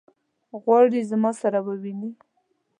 غواړي زما سره وویني.